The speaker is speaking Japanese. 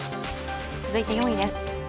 続いて４位です。